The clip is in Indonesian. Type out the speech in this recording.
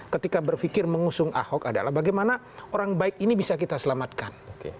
ketika berpikir mengusung ahok adalah bagaimana orang baik ini bisa kita selamatkan